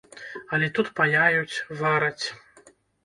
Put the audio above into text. Але тут паяюць, вараць.